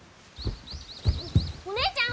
お姉ちゃん